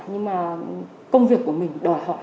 nhưng mà công việc của mình đòi hỏi